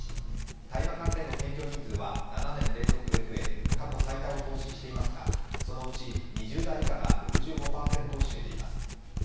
大麻関連の検挙人数は７年連続で増え、過去最多を更新していますが、そのうち２０代以下が６５％を占めています。